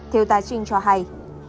thiếu tá trinh cho hay